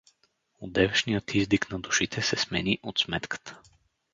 Одевешният издиг на душите се смени от сметката.